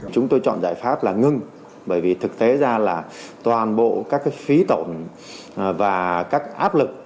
chúng tôi chọn giải pháp là ngưng bởi vì thực tế ra là toàn bộ các phí tổn và các áp lực